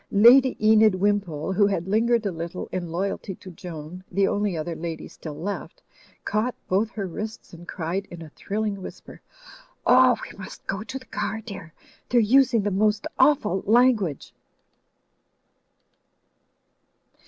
Lady Enid Wimpole, who had lingered a little in loyalty to Joan, the only other lady still left, caught both her wrists and cried in a thrilling whisper, "Oh, we must go to the car, dear I They're using the most awful language